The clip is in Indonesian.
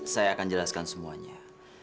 saya akan jelaskan semuanya